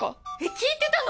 聴いてたの？